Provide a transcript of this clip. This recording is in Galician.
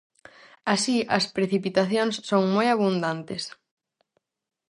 Así as precipitacións son moi abundantes.